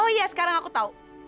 oh iya sekarang aku tahu